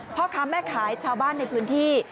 พ่อค้าแม่ขายชาวบ้านในพื้นที่